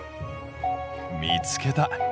見つけた！